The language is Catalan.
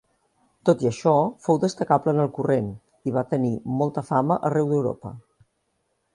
Tot i això, fou destacable en el corrent i va tenir molta fama arreu d'Europa.